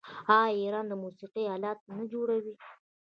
آیا ایران د موسیقۍ الات نه جوړوي؟